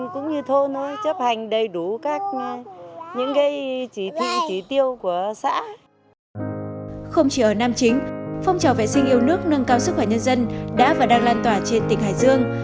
không chỉ ở nam chính phong trào vệ sinh yêu nước nâng cao sức khỏe nhân dân đã và đang lan tỏa trên tỉnh hải dương